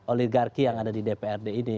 oligarki yang ada di dprd ini